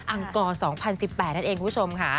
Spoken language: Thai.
อังกร๒๐๑๘นั่นเองคุณผู้ชมค่ะ